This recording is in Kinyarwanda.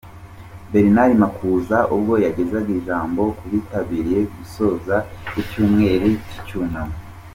Bernard Makuza ubwo yagezaga ijambo ku bitabiriye gusoza icyumweru cy'icyunamo.